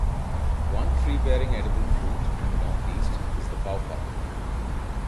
One tree bearing edible fruit in the Northeast is the paw paw.